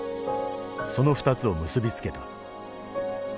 その２つを結び付けた。